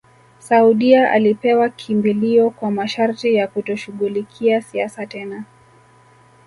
Saudia alipewa kimbilio kwa masharti ya kutoshughulikia siasa tena